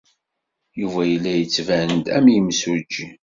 Yuba yella yettban-d am yimsujji.